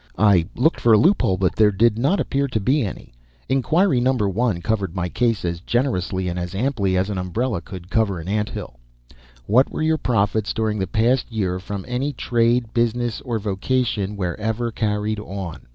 I looked for a loophole, but there did not appear to be any. Inquiry No. 1 covered my case as generously and as amply as an umbrella could cover an ant hill: What were your profits, during the past year, from any trade, business, or vocation, wherever carried on?